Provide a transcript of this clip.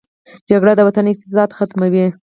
جګړه د وطن اقتصاد ختموي